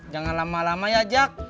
jangan lama lama ya jak